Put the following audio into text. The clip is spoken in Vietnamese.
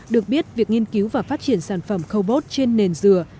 được biết việc nghiên cứu và phát triển sản phẩm cobot trên nền dừa